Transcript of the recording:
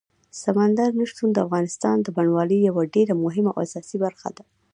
سمندر نه شتون د افغانستان د بڼوالۍ یوه ډېره مهمه او اساسي برخه ده.